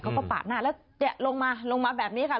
เขาก็ปาดหน้าแล้วลงมาลงมาแบบนี้ค่ะลงมาเคลียร์กัน